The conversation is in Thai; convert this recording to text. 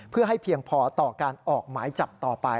เพื่อให้เพียงพอต่อการออกหมายจับต่อไป